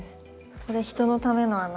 これ人のための穴だから。